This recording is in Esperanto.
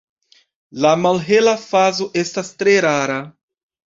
La malhela fazo estas tre rara.